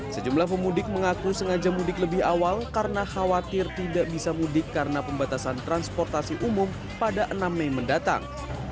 sejumlah pemudik mengaku sengaja mudik lebih awal karena khawatir tidak bisa mudik karena pembatasan transportasi umum pada enam mei mendatang